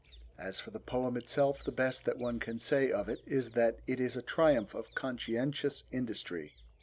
As for the poem itself, the best that one can say of it is that it is a triumph of conscientious industry.